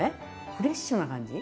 フレッシュな感じ。